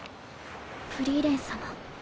フリーレン様。